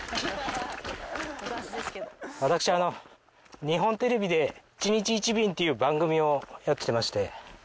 私日本テレビで『１日１便』っていう番組をやってまして。